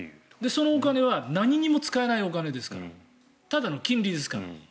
そのお金は何にも使えないお金ですからただの金利ですから。